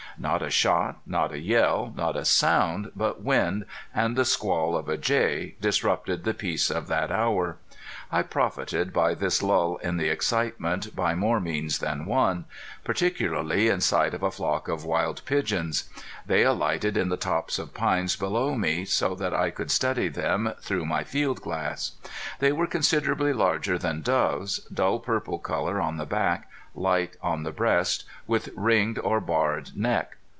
Not a shot, not a yell, not a sound but wind and the squall of a jay disrupted the peace of that hour. I profited by this lull in the excitement by more means than one, particularly in sight of a flock of wild pigeons. They alighted in the tops of pines below me, so that I could study them through my field glass. They were considerably larger than doves, dull purple color on the back, light on the breast, with ringed or barred neck.